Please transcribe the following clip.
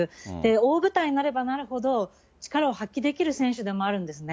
大舞台になればなるほど、力を発揮できる選手でもあるんですね。